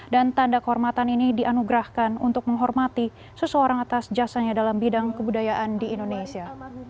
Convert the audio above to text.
dan tanda kehormatan ini dianugerahkan untuk menghormati seseorang atas jasanya dalam bidang kebudayaan di indonesia